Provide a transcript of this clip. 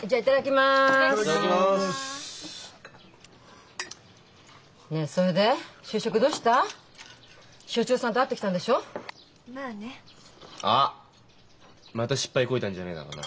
また失敗こいたんじゃねえだろうな？